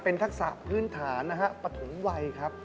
เป็นทักษะพื้นฐานนะฮะปฐมวัยครับ